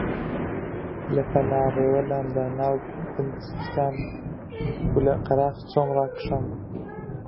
لە پەنا ڕێوە لامدا ناو پنچکان و لە قەراغ چۆم ڕاکشام